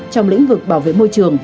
trong lĩnh vực bảo vệ môi trường